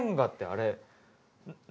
あれ。